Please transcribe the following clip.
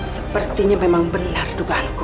sepertinya memang benar dugaanku